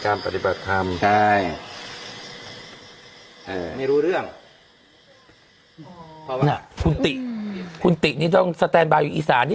เขาใส่ชุดตามเขาด้วยนะ